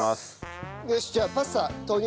よしじゃあパスタ投入。